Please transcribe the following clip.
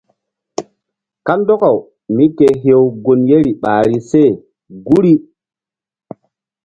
Kandɔkaw míke hew gun yeri ɓahri se guri.